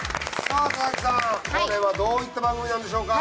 これはどういった番組なんでしょうか？